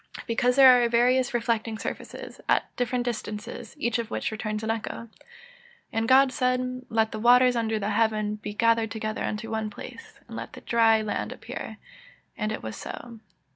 _ Because there are various reflecting surfaces, at different distances, each of which returns an echo. [Verse: "And God said, Let the waters under the heaven be gathered together onto one place, and let the dry land appear: and it was so."